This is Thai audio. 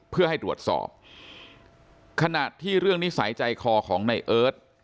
เพื่อให้ตรวจสอบขณะที่เรื่องนิสัยใจคอของในเอิร์ท